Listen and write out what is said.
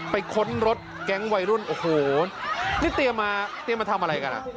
ไปค้นรถแก๊งวัยรุ่นโอ้โหนี่เตรียมมาทำอะไรกันอ่ะ